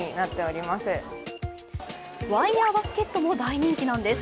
ワイヤーバスケットも大人気なんです。